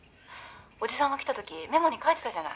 伯父さんが来たときメモに書いてたじゃない。